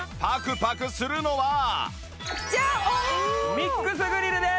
ミックスグリルです。